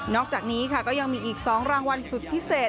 อกจากนี้ค่ะก็ยังมีอีก๒รางวัลสุดพิเศษ